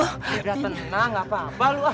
sudah tenang apa apa lu